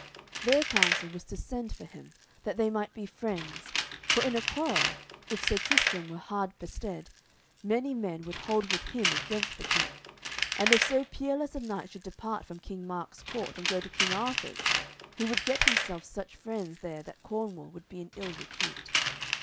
Their counsel was to send for him, that they might be friends, for in a quarrel, if Sir Tristram were hard bestead, many men would hold with him against the king; and if so peerless a knight should depart from King Mark's court and go to King Arthur's he would get himself such friends there that Cornwall would be in ill repute.